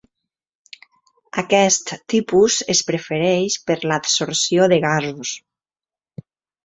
Aquest tipus es prefereix per l'adsorció de gasos.